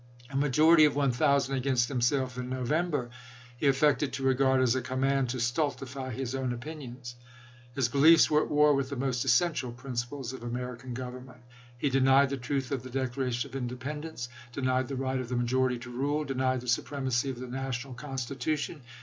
A majority of one thousand against himself in November he affected to regard as a command to stultify his own opinions. His beliefs were at war with the most essential principles of American government. He denied the truth of the Declaration of Inde pendence, denied the right of the majority to rule, denied the supremacy of the national Constitution.